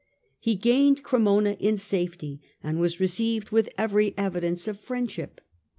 He gained Cremona in safety and was received with every evidence of friendship.